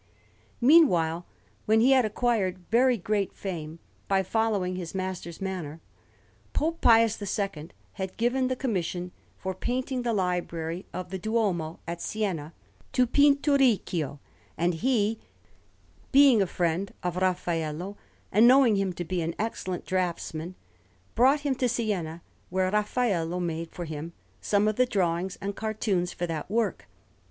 Meanwhile, when he had acquired very great fame by following his master's manner, Pope Pius II had given the commission for painting the library of the Duomo at Siena to Pinturicchio; and he, being a friend of Raffaello, and knowing him to be an excellent draughtsman, brought him to Siena, where Raffaello made for him some of the drawings and cartoons for that work.